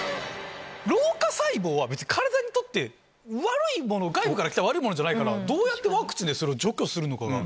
老化細胞は別に、体にとって悪いもの、外部から来た悪いものじゃないから、どうやってワクチンで、それを除去するのかが。